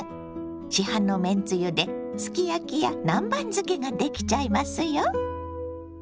市販のめんつゆですき焼きや南蛮漬けができちゃいますよ。